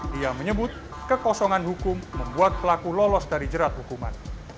dia menyebut kekosongan hukum membuat pelaku lolos dari jerat hukuman